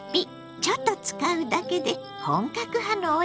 ちょっと使うだけで本格派のおいしさだったわ。